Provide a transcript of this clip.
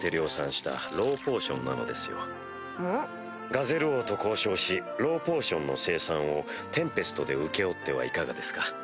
ガゼル王と交渉しローポーションの生産をテンペストで請け負ってはいかがですか？